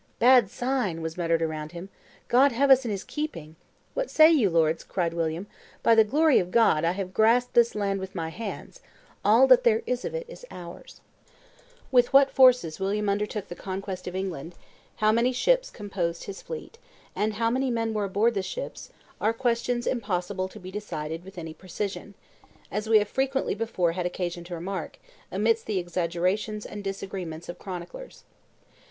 "Bad sign!" was muttered around him; "God have us in His keeping!" "What say you, lords?" cried William: "by the glory of God, I have grasped this land with my hands; all that there is of it is ours." [Illustration: Normans landing on English Coast 353] With what forces William undertook the conquest of England, how many ships composed his fleet, and how many men were aboard the ships, are questions impossible to be decided with any precision, as we have frequently before had occasion to remark, amidst the exaggerations and disagreements of chroniclers.